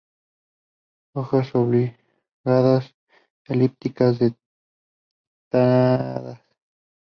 Hojas oblongas a elípticas, dentadas.